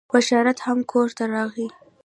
بشارت هم کور ته راغی.